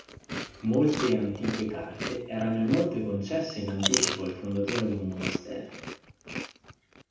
Molte antiche carte erano inoltre concesse in anticipo al fondatore di un monastero.